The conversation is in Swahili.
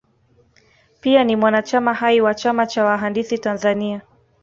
Pia ni mwanachama hai wa chama cha wahandisi Tanzania